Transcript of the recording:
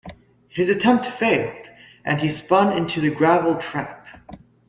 His attempt failed, and he spun into the gravel trap.